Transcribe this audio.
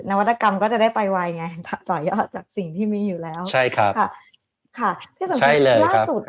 นวัตกรรมก็จะได้ไปไวไงผ่าต่อยอดจากสิ่งที่มีอยู่แล้ว